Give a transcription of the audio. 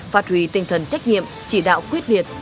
phát huy tinh thần trách nhiệm chỉ đạo quyết liệt